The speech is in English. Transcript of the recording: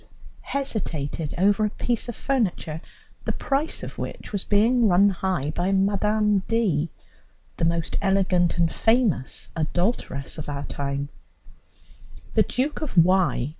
hesitated over a piece of furniture the price of which was being run high by Mme. D., the most elegant and famous adulteress of our time; the Duke of Y.